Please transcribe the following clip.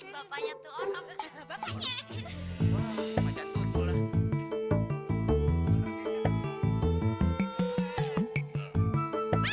bapaknya itu orang irgend complicanya pools